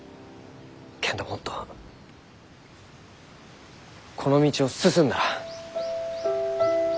けんどもっとこの道を進んだら。